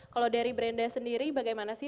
kalau dari brenda sendiri bagaimana sih